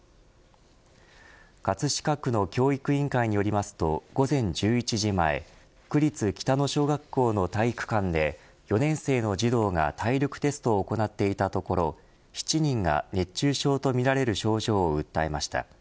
葛飾区の教育委員会によりますと午前１１時前区立北野小学校の体育館で４年生の児童が体力テストを行っていたところ７人が熱中症とみられる症状を訴えました。